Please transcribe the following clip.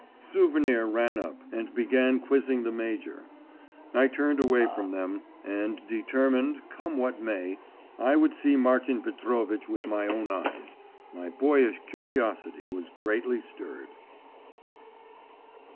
Souvenir ran up, and began quizzing the major. I turned away from them, and determined, come what may, I would see Martin Petrovitch with my own eyes.… My boyish curiosity was greatly stirred.